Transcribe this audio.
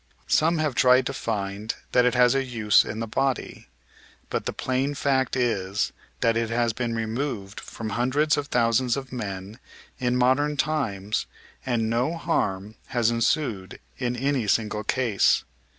Some have tried to find that it has a use in the body, but the plain fact is that it has been removed from hundreds of thousands of men in modern times, and no harm has ensued in any single case.